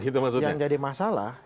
yang jadi masalah